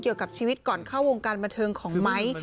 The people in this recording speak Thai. เกี่ยวกับชีวิตก่อนเข้าวงการบันเทิงของไม้